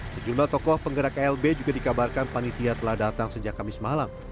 sejumlah tokoh penggerak klb juga dikabarkan panitia telah datang sejak kamis malam